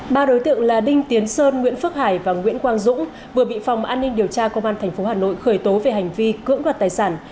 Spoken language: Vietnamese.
ba đối tượng là đinh tiến sơn nguyễn phước hải và nguyễn quang dũng vừa bị phòng an ninh điều tra công an tp hà nội khởi tố về hành vi cưỡng đoạt tài sản